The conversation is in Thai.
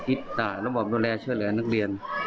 อิตรู้อบรับแลช่วยเหลือนักเรียน